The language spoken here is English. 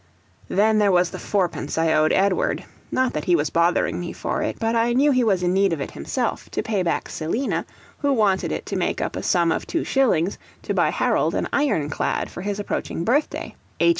Then there was the fourpence I owed Edward; not that he was bothering me for it, but I knew he was in need of it himself, to pay back Selina, who wanted it to make up a sum of two shillings, to buy Harold an ironclad for his approaching birthday, H.